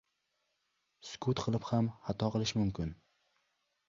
• Sukut qilib ham xato qilish mumkin.